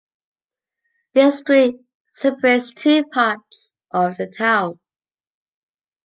This street separates two parts of the town.